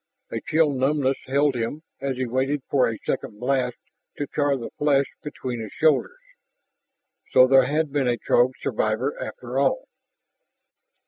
A chill numbness held him as he waited for a second blast to charr the flesh between his shoulders. So there had been a Throg survivor, after all.